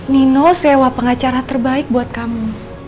nino sewa pengacara terbaik buat kamu